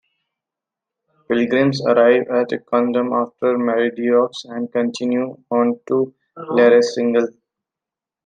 Pilgrims arrive at Condom after Miradoux and continue on to Larressingle.